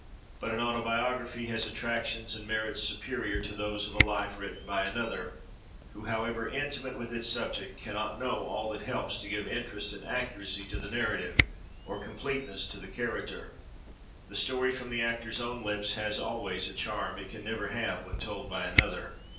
But an autobiography has attractions and merits superior to those of a "Life" written by another, who, however intimate with its subject, cannot know all that helps to give interest and accuracy to the narrative, or completeness to the character. The story from the actor's own lips has always a charm it can never have when told by another.